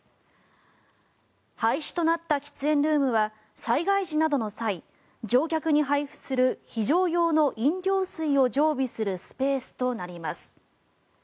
廃止となった喫煙ルームは災害時などの際乗客に配布する非常用の飲料水を常備するスペースとなります。